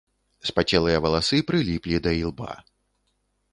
Спацелыя валасы прыліплі да ілба.